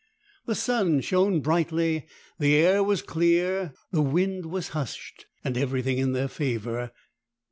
The sun shone brightly, the air was clear, the wind was hushed, and everything in their favour.